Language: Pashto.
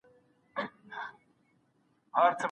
خپل ځان ته ارزښت ورکړئ.